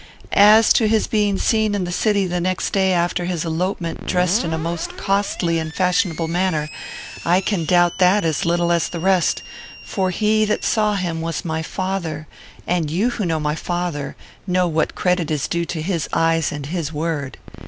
As to his being seen in the city the next day after his elopement, dressed in a most costly and fashionable manner, I can doubt that as little as the rest, for he that saw him was my father, and you, who know my father, know what credit is due to his eyes and his word.